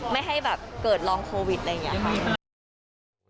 ไม่ให้แบบเกิดลองโควิดอะไรอย่างนี้ค่ะ